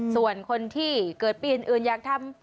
ส่วนคนที่เกิดปีอื่นอยากทำ